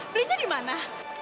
belinya di mana